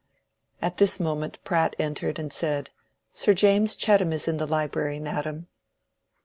At this moment Pratt entered and said, "Sir James Chettam is in the library, madam."